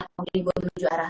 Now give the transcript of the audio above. atau mungkin buat menuju arah